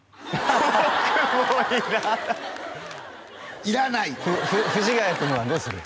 「僕もいらない」いらない藤ヶ谷君はどうする？